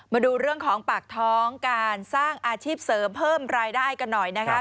มาดูเรื่องของปากท้องการสร้างอาชีพเสริมเพิ่มรายได้กันหน่อยนะครับ